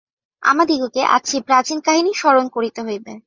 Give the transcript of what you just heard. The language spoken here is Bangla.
আমাদিগকে আজ সেই প্রাচীন কাহিনী স্মরণ করিতে হইবে।